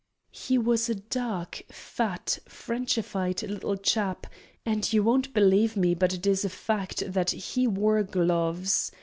He was a dark, fat, Frenchified little chap, and you won't believe me, but it is a fact that he wore gloves.